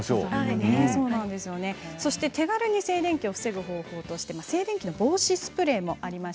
手軽に静電気を防げる方法として静電気防止スプレーがあります。